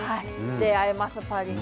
出会えます、パリに。